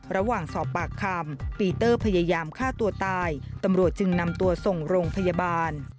ระหว่างสอบปากคำปีเตอร์พยายามฆ่าตัวตายตำรวจจึงนำตัวส่งโรงพยาบาล